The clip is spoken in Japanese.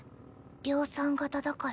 量産型だから。